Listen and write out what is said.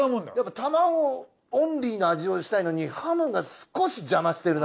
タマゴオンリーの味をしたいのにハムが少し邪魔してるな。